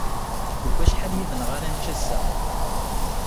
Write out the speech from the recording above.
Deg wacḥal yid-neɣ ara nečč ass-a?